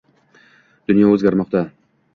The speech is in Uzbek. Dunyo oʻzgarmoqda.